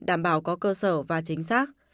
đảm bảo có cơ sở và chính xác